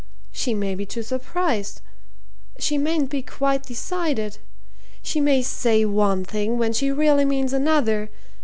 She may be too surprised. She mayn't be quite decided. She may say one thing when she really means another.